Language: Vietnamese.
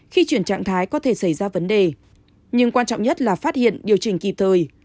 khi chuyển trạng thái có thể xảy ra vấn đề nhưng quan trọng nhất là phát hiện điều chỉnh kịp thời